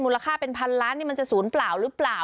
ค่าเป็นพันล้านนี่มันจะศูนย์เปล่าหรือเปล่า